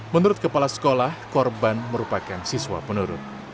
menurut kepala sekolah korban merupakan siswa penurut